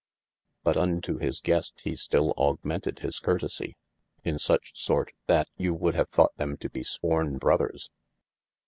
But unto his geast he still augmented his curtesie, in such sort, that you would have thought them to be sworne brothers.